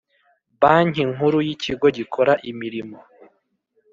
Banki Nkuru y ikigo gikora imirimo